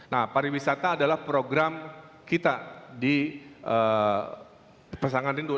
nah pariwisata adalah program kita di pasangan rindu